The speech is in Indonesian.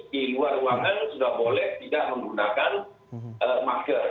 di luar ruangan sudah boleh tidak menggunakan masker